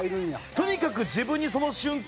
とにかく自分にその瞬間だけ酔える。